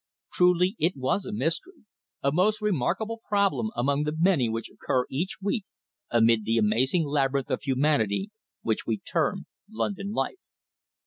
Truly it was a mystery, a most remarkable problem among the many which occur each week amid the amazing labyrinth of humanity which we term London life.